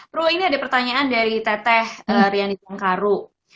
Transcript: bro ini ada pertanyaan dari teteh riany tengkaru